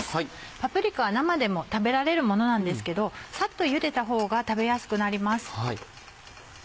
パプリカは生でも食べられるものなんですけどさっと茹でたほうが食べやすくなります。